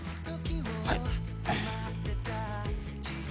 はい。